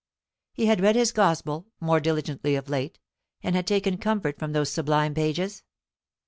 He had read his Gospel more diligently of late, and had taken comfort from those sublime pages.